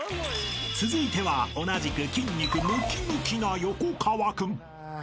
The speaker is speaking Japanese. ［続いては同じく筋肉ムキムキな横川君］